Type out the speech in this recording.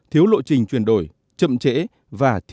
thiếu lộ trình chuyển đổi chậm trễ và thiếu cơ chế